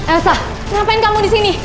elsa ngapain kamu di sini